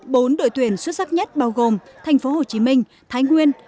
bốn đội tuyển xuất sắc nhất bao gồm thành phố hồ chí minh thái nguyên